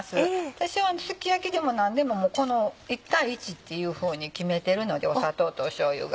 私はすき焼きでも何でもこの１対１っていうふうに決めてるので砂糖としょうゆが。